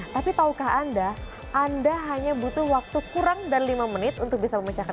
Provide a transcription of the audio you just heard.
tapi tahukah anda anda hanya butuh waktu kurang dari lima menit untuk bisa memecahkan